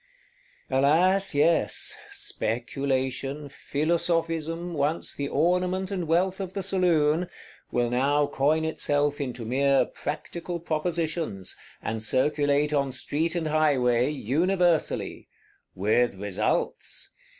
Alas, yes: Speculation, Philosophism, once the ornament and wealth of the saloon, will now coin itself into mere Practical Propositions, and circulate on street and highway, universally; with results!